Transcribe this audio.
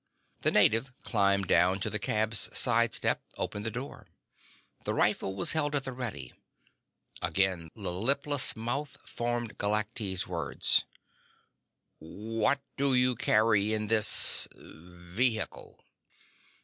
The native climbed down to the cab's side step, opened the door. The rifle was held at the ready. Again, the lipless mouth formed Galactese words: "What do you carry in this ... vehicle?"